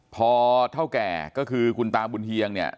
พอเท่าแก่ก็คือคุณตาบุญเฮียงเนี่ย